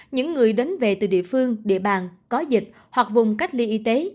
những người đến về từ địa phương địa bàn có dịch hoặc vùng cách ly y tế